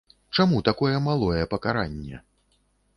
Чаму такое малое пакаранне?